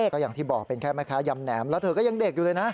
ก็อย่างที่บอกเป็นแค่แม่ค้ายำแหนมแล้วเธอก็ยังเด็กอยู่เลยนะ